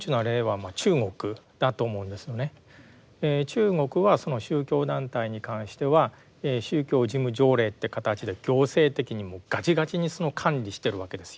中国はその宗教団体に関しては宗教事務条例という形で行政的にもうガチガチにその管理してるわけですよ。